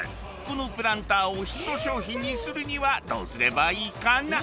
このプランターをヒット商品にするにはどうすればいいかな？